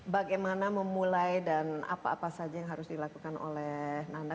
bagaimana memulai dan apa apa saja yang harus dilakukan oleh nanda